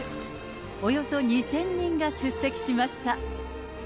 およそ２０００人が出席しました。